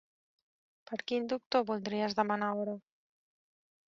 Per quin doctor voldries demanar hora?